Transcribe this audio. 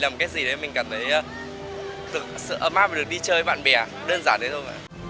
làm cái gì đấy mình cảm thấy sự ấm áp được đi chơi với bạn bè đơn giản đấy thôi